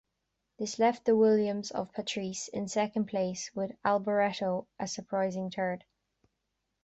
This left the Williams of Patrese in second place with Alboreto a surprising third.